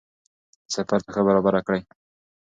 د سفر توښه برابره کړئ.